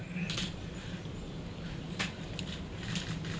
ครับ